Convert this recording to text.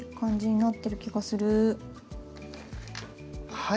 はい。